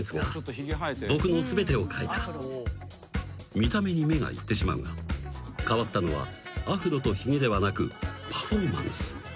［見た目に目がいってしまうが変わったのはアフロとひげではなくパフォーマンス］